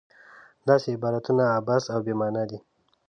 داسې عبارتونه عبث او بې معنا دي.